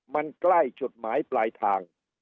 มันใกล้จุดหมายปลายทาง